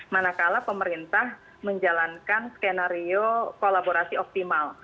manakala pemerintah menjalankan skenario kolaborasi optimal